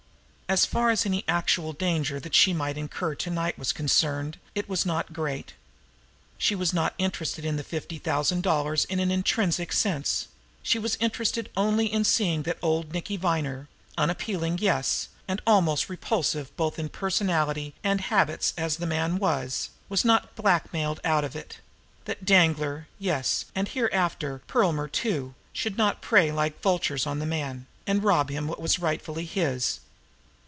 And as far as any actual danger that she might incur to night was concerned, it was not great. She was not interested in the fifty thousand dollars in an intrinsic sense; she was interested only in seeing that old Nicky Viner, unappealing, yes, and almost repulsive both in personality and habits as the man was, was not blackmailed out of it; that Danglar, yes, and hereafter, Perlmer too, should not prey like vultures on the man, and rob him of what was rightfully his.